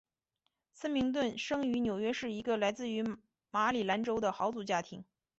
森明顿生于纽约市一个来自于马里兰州的豪族家庭。